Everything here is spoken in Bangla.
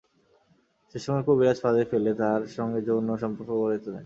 সে সময় কবিরাজ ফাঁদে ফেলে তাঁর সঙ্গে যৌন সম্পর্ক গড়ে তোলেন।